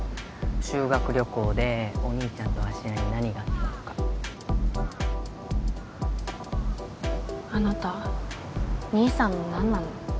修学旅行でお兄ちゃんと芦屋に何があったのかあなた兄さんの何なの？